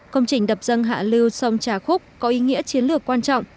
công trình đập dâng hạ lưu sông trà khúc có ý nghĩa chiến lược quan trọng